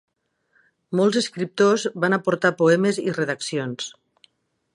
Molts escriptors van aportar poemes i redaccions.